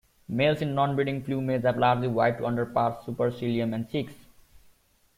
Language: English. Males in nonbreeding plumage have largely white underparts, supercilium and cheeks.